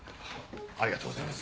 ありがとうございます。